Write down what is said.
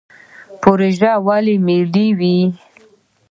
پروژې ولې ملي وي؟